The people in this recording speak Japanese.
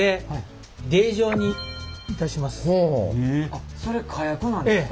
あっそれ火薬なんですか？